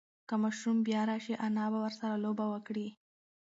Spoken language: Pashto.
که ماشوم بیا راشي، انا به ورسره لوبه وکړي.